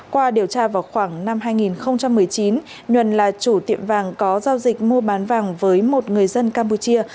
qua điều tra vào khoảng năm hai nghìn một mươi chín nhuần là chủ tiệm vàng có giao dịch mua bán vàng với một người dân campuchia